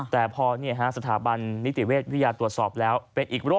แต่พอสถาบันนิติเวทย์วิญญาณตรวจสอบแล้วเป็นอีกโรคหนึ่งเลย